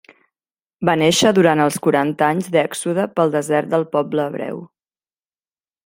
Va néixer durant els quaranta anys d'Èxode pel desert del poble hebreu.